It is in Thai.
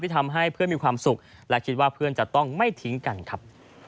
ทำให้เพื่อนมีความสุขและคิดว่าเพื่อนจะต้องไม่ทิ้งกันครับ